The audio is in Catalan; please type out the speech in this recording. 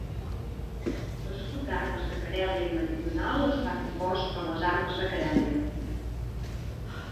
L'escut d'armes de Carèlia Meridional està compost per les armes de Carèlia.